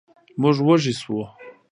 موږ وږي شوو.